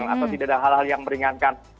atau tidak ada hal hal yang meringankan